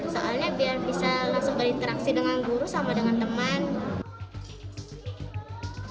soalnya biar bisa langsung berinteraksi dengan guru sama dengan teman